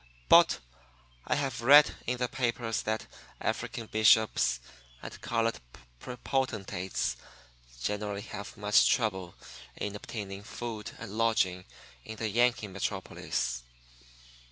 But I have read in the papers that African bishops and colored potentates generally have much trouble in obtaining food and lodging in the Yankee metropolis.